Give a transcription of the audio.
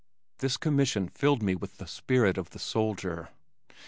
This commission filled me with the spirit of the soldier.